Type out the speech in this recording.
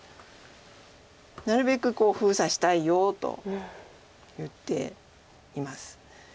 なるべく封鎖したいよと言っています。